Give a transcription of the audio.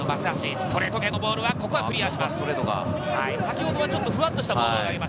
ストレート系のボールはクリアします。